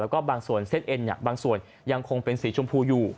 แล้วก็บางส่วนเส้นเอ็นบางส่วนยังคงเป็นสีชมพูอยู่